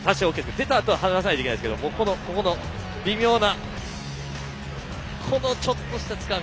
出たあとは離さないといけないんですがここの微妙なこのちょっとしたつかみ。